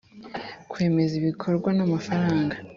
Kwemeza ibikorwa n’amafaranga